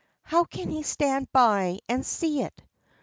"How can he stand by and see it?"